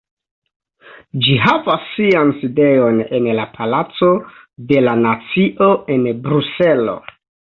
Ĝi havas sian sidejon en la Palaco de la Nacio en Bruselo.